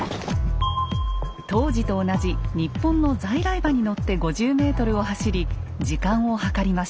当時と同じ日本の在来馬に乗って５０ｍを走り時間を計りました。